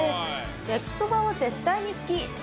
焼きそばは絶対に好き。